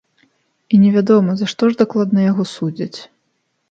І невядома, за што ж дакладна яго судзяць.